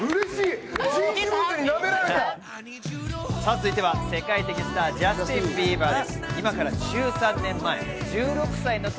続いては世界的スター、ジャスティン・ビーバー。